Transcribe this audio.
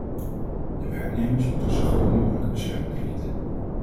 De werknemers moeten een zo groot mogelijke bescherming genieten.